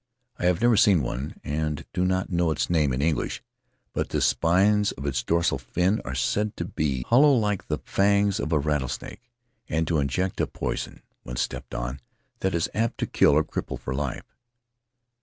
I have never seen one, and do not know its name in English, but the spines of its dorsal fin are said to be hollow like the fangs of a rattlesnake, and to inject a poison — when stepped on — that is apt to kill or cripple for life.